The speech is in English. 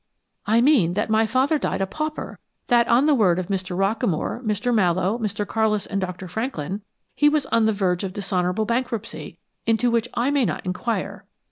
"I mean that my father died a pauper! That on the word of Mr. Rockamore, Mr. Mallowe, Mr. Carlis and Dr. Franklin, he was on the verge of dishonorable bankruptcy, into which I may not inquire."